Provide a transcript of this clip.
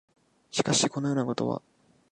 しかし、このようなことは、